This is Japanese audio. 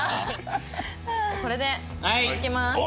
これで。いきます。